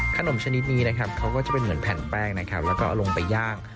ชนิดนี้นะครับเขาก็จะเป็นเหมือนแผ่นแป้งนะครับแล้วก็เอาลงไปย่าง